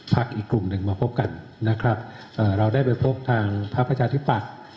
พรรคอีกกลุ่มหนึ่งมาพบกันนะครับเอ่อเราได้ไปพบทางพระพระชาติปักษ์